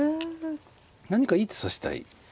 何かいい手指したい。